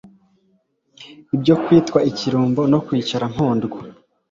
ibyo kwitwa ikirumbo no kwicara mpondwa